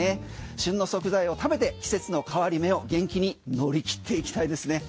旬の食材を食べて季節の変わり目を元気に乗り切っていきたいですね。